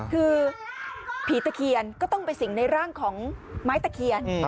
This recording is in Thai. คือผีตะเคียนก็ต้องไปสิ่งในร่างของไม้ตะเคียน